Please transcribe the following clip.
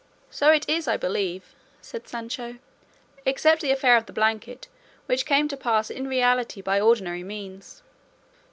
"So it is, I believe," said Sancho, "except the affair of the blanket, which came to pass in reality by ordinary means."